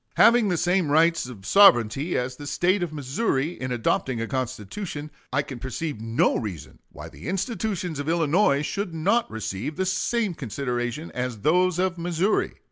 Having the same rights of sovereignty as the State of Missouri in adopting a constitution, I can perceive no reason why the institutions of Illinois should not receive the same consideration as those of Missouri....